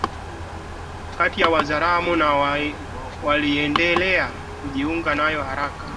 Kati ya Wazaramo na waliendelea kujiunga nayo haraka